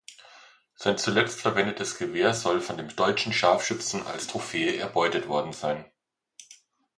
Sein zuletzt verwendetes Gewehr soll von dem deutschen Scharfschützen als Trophäe erbeutet worden sein.